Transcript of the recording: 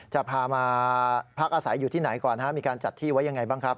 จะพามาพักอาศัยอยู่ที่ไหนก่อนมีการจัดที่ไว้ยังไงบ้างครับ